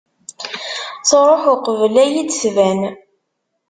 Truḥ uqbel ad yi-d-tban.